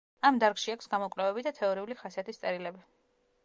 ამ დარგში აქვს გამოკვლევები და თეორიული ხასიათის წერილები.